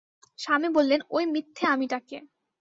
স্বামী বললেন, ঐ মিথ্যে-আমিটাকে।